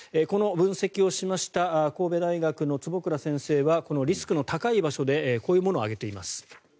この分析をしました神戸大学の坪倉先生はこのリスクの高い場所でこういうものを挙げています。